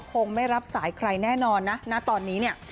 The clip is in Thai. คงไม่รับสายใครแน่นอนนะณตอนนี้เนี่ย